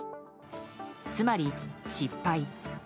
つまり失敗。